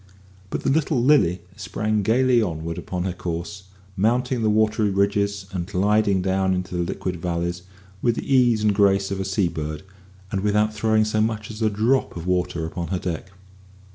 But the little Lily sprang gaily onward upon her course, mounting the watery ridges and gliding down into the liquid valleys with the ease and grace of a seabird, and without throwing so much as a drop of water upon her deck.